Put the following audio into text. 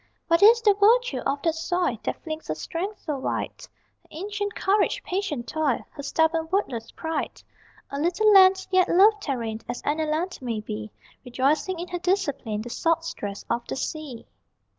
What is the virtue of that soil That flings her strength so wide? Her ancient courage, patient toil, Her stubborn wordless pride? A little land, yet loved therein As any land may be, Rejoicing in her discipline, The salt stress of the sea.